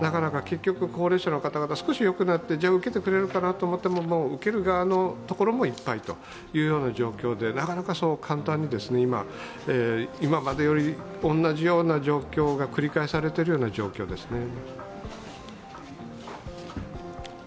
結局、高齢者の方々、少しよくなって受けてくれるかなと思っても受ける側の所もいっぱいというような状況でなかなかそう簡単に、今までと同じような状況が繰り返されている状況です。